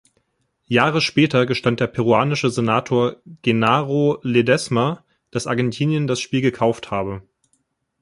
Jahre später gestand der peruanische Senator Genaro Ledesma, dass Argentinien das Spiel gekauft habe.